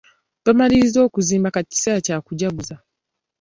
Bamalirizza okuzimba Kati kiseera kya kujaguza.